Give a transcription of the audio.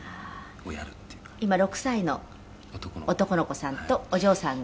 今、６歳の男の子さんとお嬢さんが。